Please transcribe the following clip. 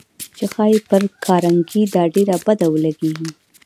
چې ښايي پر کارنګي دا ډېره بده ولګېږي.